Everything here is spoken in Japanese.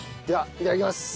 いただきます。